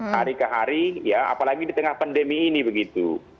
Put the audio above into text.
hari ke hari ya apalagi di tengah pandemi ini begitu